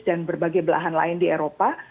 dan berbagai belahan lain di eropa